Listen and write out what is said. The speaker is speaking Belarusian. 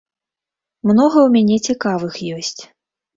Многа ў мяне цікавых ёсць.